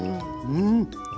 うん。